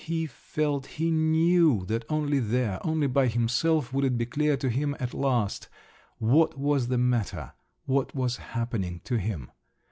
He felt, he knew that only there, only by himself, would it be clear to him at last what was the matter, what was happening to him.